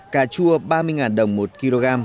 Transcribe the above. cà chua ba mươi đồng một kg